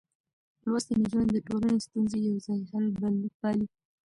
لوستې نجونې د ټولنې ستونزې يوځای حل پالي.